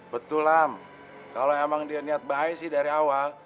betul lam kalo emang dia niat bahaya sih dari awal